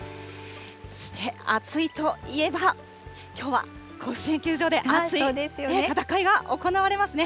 そして暑いといえば、きょうは甲子園球場で熱い戦いが行われますね。